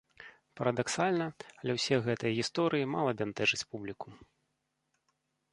Парадаксальна, але ўсе гэтыя гісторыі мала бянтэжаць публіку.